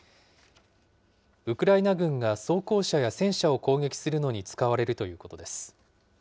ウクライナ軍が装甲車や戦車を攻撃するのに使われるということです。